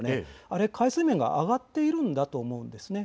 あれは海水面が上がっているんだと思います。